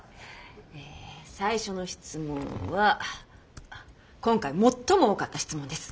え最初の質問は今回最も多かった質問です。